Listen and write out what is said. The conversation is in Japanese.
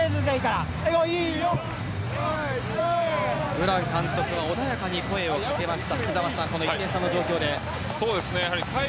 ブラン監督は穏やかに声を掛けました。